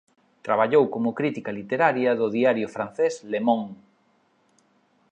Traballou como crítica literaria do diario francés "Le Monde".